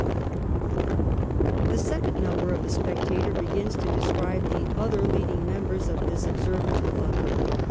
The second number of 'The Spectator' begins to describe the other leading members of this observant 6lub.